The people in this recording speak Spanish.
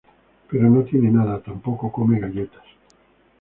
pero no tiene nada. tampoco come galletas.